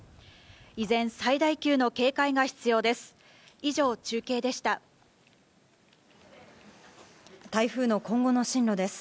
依然、最大級の警戒が必要です。